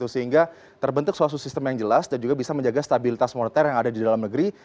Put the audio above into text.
sehingga terbentuk suatu sistem yang jelas dan juga bisa menjaga stabilitas moneter yang ada di dalam negeri